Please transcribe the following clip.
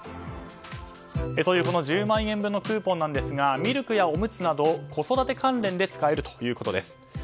この１０万円分のクーポンなんですがミルクやおむつなど子育て関連などで使えるということです。